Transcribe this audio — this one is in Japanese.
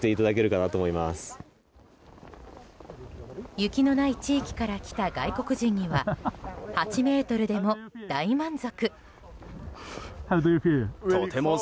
雪のない地域から来た外国人には８ｍでも大満足。